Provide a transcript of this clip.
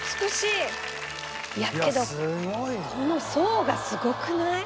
いやけどこの層がすごくない？